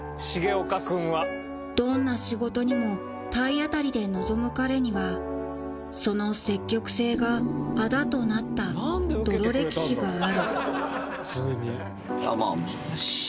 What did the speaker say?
どんな仕事にも体当たりで臨む彼にはその積極性が仇となった泥歴史がある